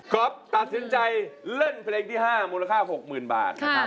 ก็ตัดสินใจเล่นเพลงที่๕มูลค่า๖๐๐๐บาทนะครับ